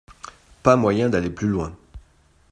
Pas moyen d'aller plus loin.